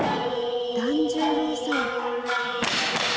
團十郎さん。